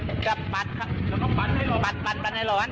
เปิดแสงเออเออเอาเอาเอาแจ็คไว้